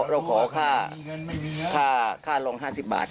ถ้าเป็นคนไทยเราขอข้าร่อง๕๐บาท